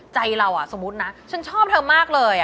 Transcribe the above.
ใจเราสมมุตินะฉันชอบเธอมากเลย